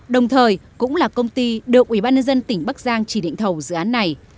đồng thời cũng là công ty được ủy ban nhân dân tỉnh bắc giang chỉ định thầu dự án này